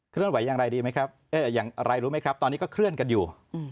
เคลื่อนไหวอย่างไรรู้ไหมครับตอนนี้ก็เคลื่อนกันอยู่